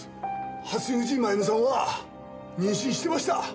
橋口まゆみさんは妊娠してました。